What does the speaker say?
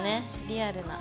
リアルな。